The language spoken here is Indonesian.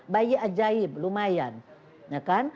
baik ajaib lumayan